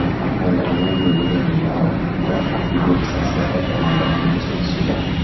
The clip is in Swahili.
Waandamanaji wawili waliuawa kwa kupigwa risasi wakati wa maandamano nchini Sudan